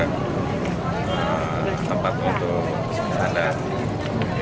dan juga memfasilitasi